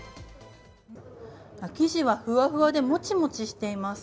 生地はふわふわでもちもちしています。